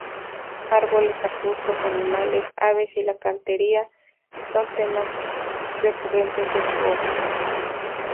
Árboles, arbustos, animales, aves y la cantería son temas recurrentes de su obra.